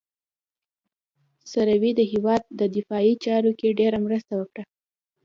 سروې د هېواد په دفاعي چارو کې ډېره مرسته کوي